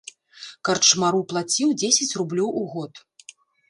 Карчмару плаціў дзесяць рублёў у год.